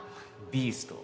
ビースト